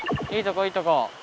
いいとこいいとこ。